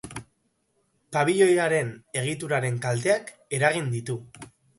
Pabilioiaren egituran kalteak eragin ditu.